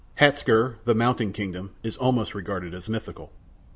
Hatzgurh, the mountain kingdom, is almost regarded as mythical.